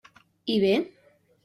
I bé?